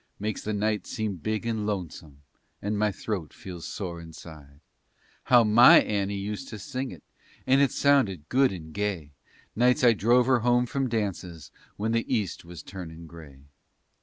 Makes the night seem big and lonesome, And my throat feels sore inside. How my Annie used to sing it! And it sounded good and gay Nights I drove her home from dances When the east was turnin' gray.